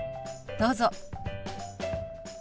どうぞ。